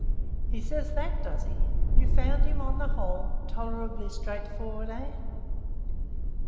"He says that, does he? You found him on the whole tolerably straightforward, eh?